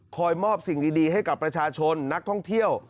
มอบสิ่งดีให้กับประชาชนนักท่องเที่ยว